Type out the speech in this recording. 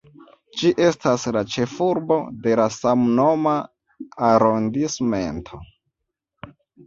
Ĝi estas la ĉefurbo de la samnoma arondismento.